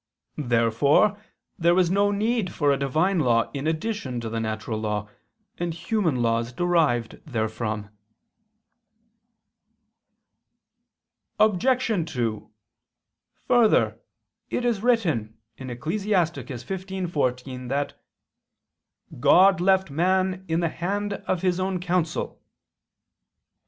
Therefore there was no need for a Divine law in addition to the natural law, and human laws derived therefrom. Obj. 2: Further, it is written (Ecclus. 15:14) that "God left man in the hand of his own counsel."